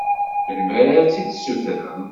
Melmi ara tt-id-sutrem?